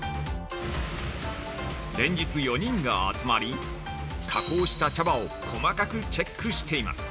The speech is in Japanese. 連日、４人が集まり加工した茶葉を細かくチェックしています。